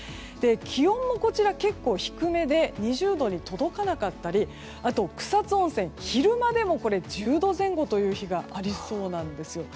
気温も結構低めで２０度に届かなかったりあと、草津温泉は昼間でも１０度前後という日がありそうなんです。